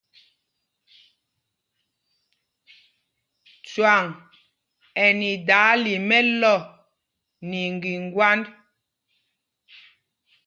Cwâŋ ɛ nɛ idaala í mɛ̄lɔ̄ nɛ iŋgiŋgwand.